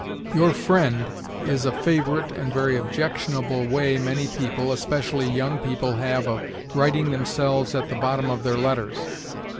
"Your friend" is a favorite and very objectionable way many people, especially young people, have of writing themselves at the bottom of their letters.